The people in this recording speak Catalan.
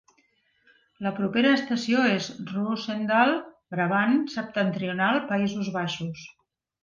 La propera estació és Roosendaal, Brabant Septentrional, Països Baixos.